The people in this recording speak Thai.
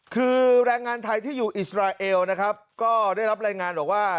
คือแรงงานไทยที่อยู่อิสราเอลนะครับก็ได้รับรายงานบอกว่า